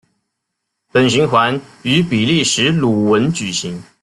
本循环于比利时鲁汶举行。